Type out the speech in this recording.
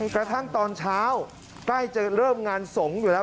กระทั่งตอนเช้าใกล้จะเริ่มงานสงฆ์อยู่แล้ว